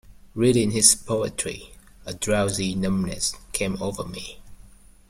Reading his poetry, a drowsy numbness came over me.